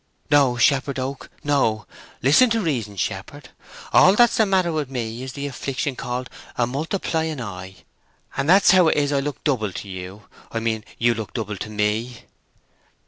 "No, Shepherd Oak, no! Listen to reason, shepherd. All that's the matter with me is the affliction called a multiplying eye, and that's how it is I look double to you—I mean, you look double to me."